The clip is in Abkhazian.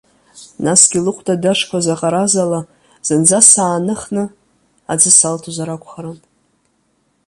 Насгьы лыхәда адашқәа заҟараз ала, зынӡа сааныхны аӡы салҭозар акәхарын.